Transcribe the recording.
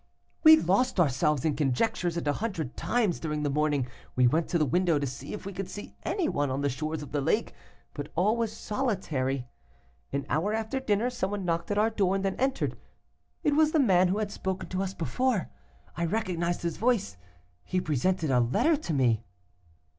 We lost ourselves in conjectures, and a hundred times during the morning we went to the window to see if we could see any one on the shores of the lake, but all was solitary. An hour after dinner, some one knocked at our door, and then entered. It was the man who had spoken to us before. I recognized his voice; he presented a letter to me.